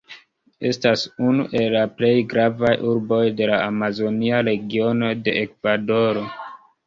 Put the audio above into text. Estas unu el la plej gravaj urboj de la Amazonia Regiono de Ekvadoro.